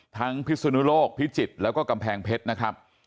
พิศนุโลกพิจิตรแล้วก็กำแพงเพชรนะครับ